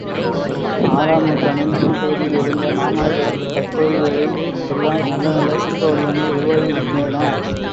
ஆறாம் நூற்றாண்டின் பின் பகுதியில் எழுந்த மாமல்லபுரத்துக் கற்கோயில்களில் எல்லாம் நல்ல நல்ல சிற்ப வடிவங்கள் உருவாகியிருக்கின்றன.